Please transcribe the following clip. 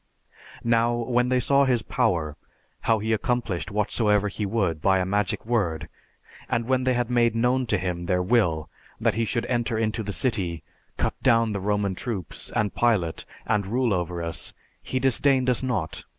"Now, when they saw his power, how he accomplished whatsoever he would by a magic word, and when they had made known to him their will, that he should enter into the city, cut down the Roman troops, and Pilate and rule over us, he disdained us not.